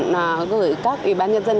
và gửi các ủy ban nhân dân